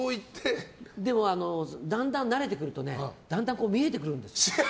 でも、だんだん慣れてくるとだんだん見えてくるんですよ。